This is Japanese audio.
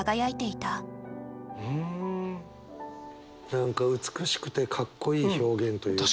何か美しくてかっこいい表現というかね。